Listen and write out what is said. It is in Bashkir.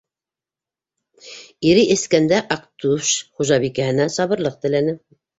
Ире эскәндә Аҡтүш хужабикәһенә сабырлыҡ теләне.